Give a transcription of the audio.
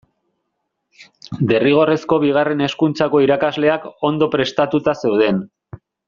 Derrigorrezko Bigarren Hezkuntzako irakasleak ondo prestatuta zeuden.